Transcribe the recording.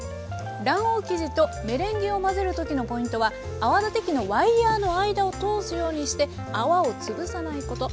卵黄生地とメレンゲを混ぜる時のポイントは泡立て器のワイヤーの間を通すようにして泡を潰さないこと。